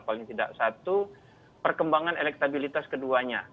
paling tidak satu perkembangan elektabilitas keduanya